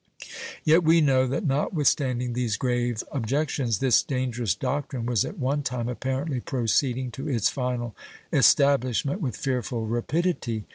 Yet we know that not withstanding these grave objections this dangerous doctrine was at one time apparently proceeding to its final establishment with fearful rapidity.